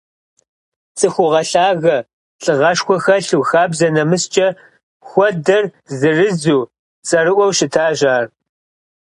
Цӏыхугъэ лъагэ, лӏыгъэшхуэ хэлъу, хабзэ-нэмыскӏэ хуэдэр зырызу, цӏэрыӏуэу щытащ ар.